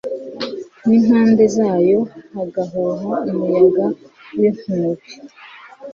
n’impande zayo hagahuha umuyaga w’inkubi